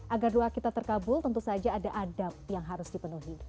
agar doa kita terkabul tentu saja ada adab yang harus dipenuhi